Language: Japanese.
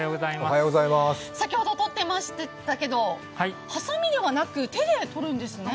先ほど取っていましたけどはさみではなく手で取るんですね